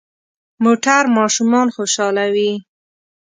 موټر ماشومان خوشحالوي.